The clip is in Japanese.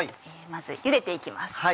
まずゆでて行きます。